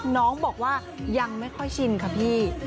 น้องบอกว่ายังไม่ค่อยชินค่ะพี่